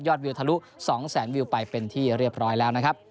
วิวทะลุ๒แสนวิวไปเป็นที่เรียบร้อยแล้วนะครับ